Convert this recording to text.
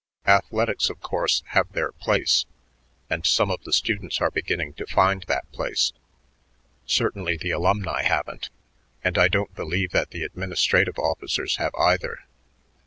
Athletics, of course, have their place, and some of the students are beginning to find that place. Certainly the alumni haven't, and I don't believe that the administrative officers have, either.